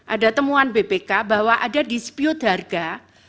ada temuan bpk bahwa ada dispute harga